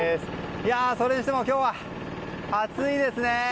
それにしても今日は暑いですね。